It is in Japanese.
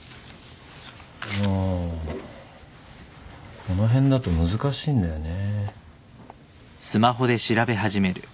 あこの辺だと難しいんだよね。